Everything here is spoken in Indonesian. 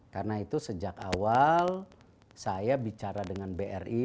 karena itu sejak awal saya bicara dengan bri